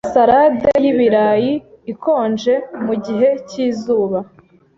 Nkunda salade y'ibirayi ikonje mugihe cyizuba.